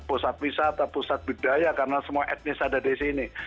pusat wisata pusat budaya karena semua etnis ada di sini